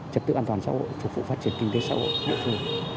trật tự an toàn xã hội phục vụ phát triển kinh tế xã hội